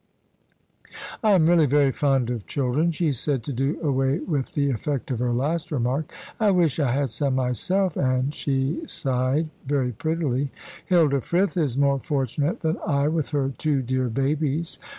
"I am really very fond of children," she said, to do away with the effect of her last remark. "I wish I had some myself," and she sighed very prettily. "Hilda Frith is more fortunate than I, with her two dear babies."